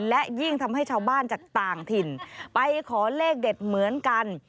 และยิ่งทำให้ชาวบ้านจากต่างถิ่นไปขอเลขเด็ดเหมือนกัน